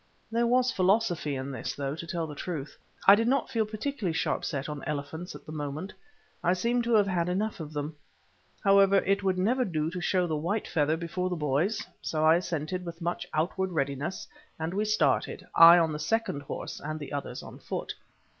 There was philosophy in this, though, to tell the truth, I did not feel particularly sharp set on elephants at the moment. I seemed to have had enough of them. However, it would never do to show the white feather before the boys, so I assented with much outward readiness, and we started, I on the second horse, and the others on foot.